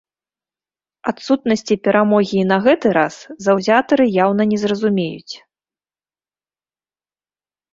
Адсутнасці перамогі і на гэты раз заўзятары яўна не зразумеюць.